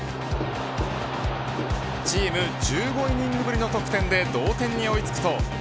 チーム１５イニングぶりの得点で同点に追い付くと。